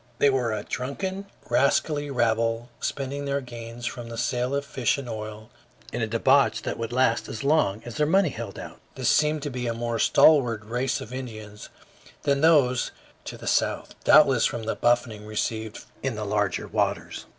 They were a drunken, rascally rabble, spending their gains from the sale of fish and oil in a debauch that would last as long as their money held out. This seemed to be a more stalwart race of Indians than those to the south, doubtless from the buffeting received in the larger waters.